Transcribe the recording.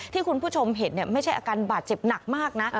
ที่คุณผู้ชมเห็นไม่ใช่อาการบาดเจ็บหนักมากนะ